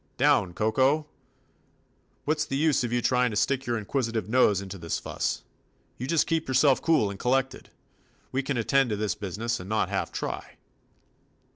Down, Koko! What's the use of you trying to stick your inquisitive nose into this fuss? You just keep yourself cool and collected. We can attend to this business, and not half try."